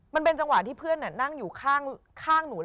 มันเป็นจังหวะที่เพื่อนนั่งอยู่ข้างหนู